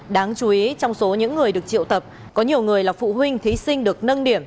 đáng chú ý trong số những người được triệu tập có nhiều người là phụ huynh thí sinh được nâng điểm